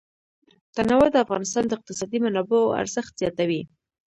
تنوع د افغانستان د اقتصادي منابعو ارزښت زیاتوي.